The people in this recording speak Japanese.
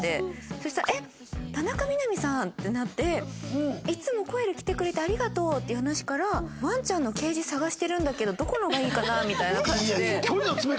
そしたら「えっ！田中みな実さん！」ってなって「いつもＣＯＥＬ来てくれてありがとう」っていう話から「ワンちゃんのケージ探してるんだけどどこのがいいかな？」みたいな感じで。